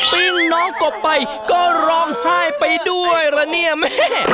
ปิ้งน้องกบไปก็ร้องไห้ไปด้วยละเนี่ยแม่